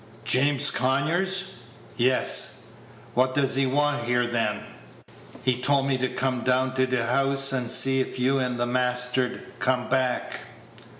"James Conyers?" "Yes." "What does he want here, then?" "He told me to come down t' th' house, and see if you and the master'd come back."